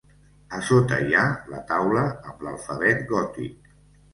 A sota hi ha la taula amb l'alfabet gòtic.